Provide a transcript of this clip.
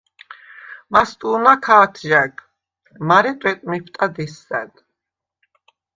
მასტუ̄ნა ქა̄თჟა̈გ, მარე ტვეტ მეფტად ესსა̈დ.